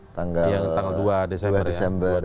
tanggal dua desember